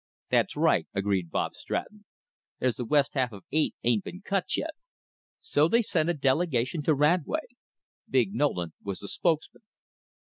"That's right," agreed Bob Stratton, "they's the west half of eight ain't been cut yet." So they sent a delegation to Radway. Big Nolan was the spokesman.